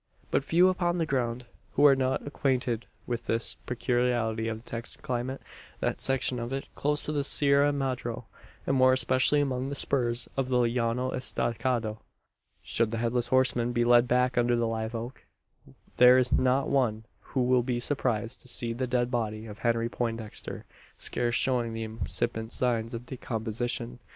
But few upon the ground who are not acquainted with this peculiarity of the Texan climate that section of it close to the Sierra Madro and more especially among the spurs of the Llano Estacado. Should the Headless Horseman be led back under the live oak, there is not one who will be surprised to see the dead body of Henry Poindexter scarce showing the incipient signs of decomposition.